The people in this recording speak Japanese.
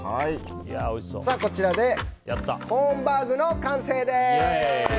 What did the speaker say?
こちらでコーンバーグの完成です。